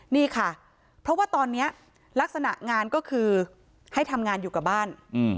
นี่ค่ะเพราะว่าตอนนี้ลักษณะงานก็คือให้ทำงานอยู่กับบ้าน